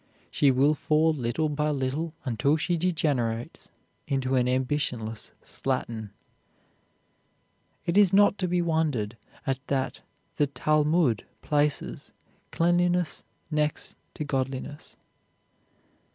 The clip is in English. She will fall little by little until she degenerates into an ambitionless slattern. It is not to be wondered at that the Talmud places cleanliness next to godliness.